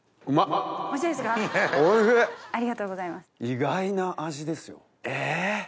意外な味ですよえ！